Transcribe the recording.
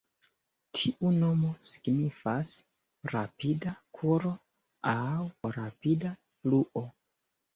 Tiu nomo signifas "rapida kuro" aŭ "rapida fluo".